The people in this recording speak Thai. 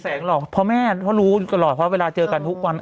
สังหรอกพอแม่ก็รู้ตลอดเพราะเวลาเจอกันทุกวัน